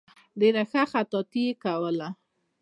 ډېره ښه خطاطي یې کوله.